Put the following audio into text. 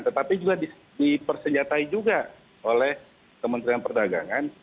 tetapi juga dipersenjatai juga oleh kementerian perdagangan